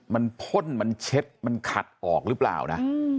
มันพ่นมันเช็ดมันขัดออกหรือเปล่านะ